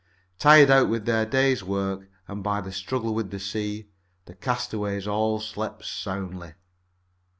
Tired out with their day's work, and by the struggle with the sea, the castaways all slept soundly.